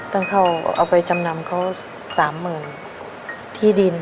ต้องเข้าเอาไปจำนำก็สามหมื่นที่ดิน